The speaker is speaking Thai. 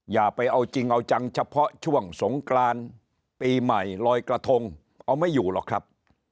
อย่าไปเอาจริงเอาจังเฉพาะช่วงสงกรานปีใหม่ลอยกระทงเอาไม่อยู่หรอกครับ